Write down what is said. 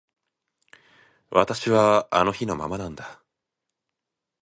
私はあの日のままなんだ